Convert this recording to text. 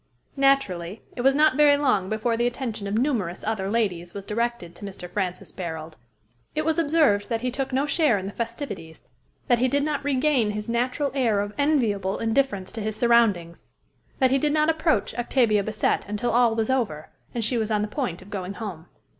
Naturally, it was not very long before the attention of numerous other ladies was directed to Mr. Francis Barold. It was observed that he took no share in the festivities, that he did not regain his natural air of enviable indifference to his surroundings, that he did not approach Octavia Bassett until all was over, and she was on the point of going home.